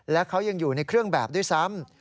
และเขายังอยู่ในเครื่องแบบด้วยซ้ำ